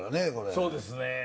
そうですね